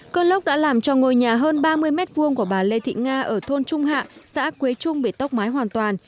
cơn lốc đã làm cho ngôi nhà hơn ba mươi m hai của bà lê thị nga ở thôn trung hạ xã quế trung bị tốc mái hoàn toàn